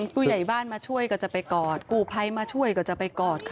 ผู้ใหญ่บ้านมาช่วยก็จะไปกอดกู้ภัยมาช่วยก็จะไปกอด